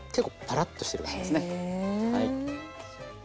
はい。